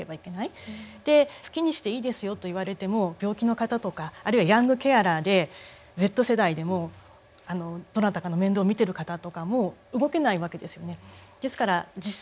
で好きにしていいですよと言われても病気の方とかあるいはヤングケアラーでＺ世代でもどなたかの面倒見てる方とかも動けないわけですよね。